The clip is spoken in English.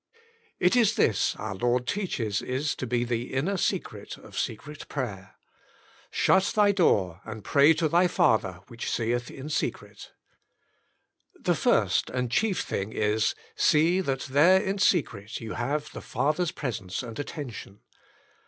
It is this our Lord teaches is to be the inner secret of secret prayer :" Shut thy door, and pray to thy Father which seeth in secret." The first and chief thing is, see that there in secret you have the Father's Presence and Attention.